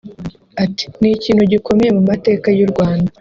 Ati “Ni ikintu gikomeye mu mateka y’u Rwanda